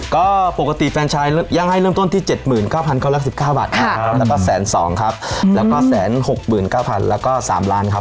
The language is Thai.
ก็ปกติแฟรนชัยยังให้เริ่มต้นที่๗๙๙๙๙บาทแล้วก็๑๐๒๐๐๐บาทแล้วก็๑๖๙๐๐๐บาทแล้วก็๓ล้านบาทครับ